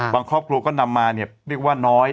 ครอบครัวก็นำมาเนี่ยเรียกว่าน้อย